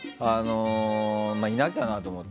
いなきゃなと思って。